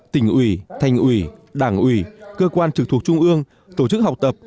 tỉnh ủy thành ủy đảng ủy cơ quan trực thuộc trung ương tổ chức học tập